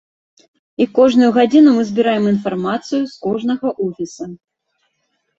І кожную гадзіну мы збіраем інфармацыю з кожнага офіса.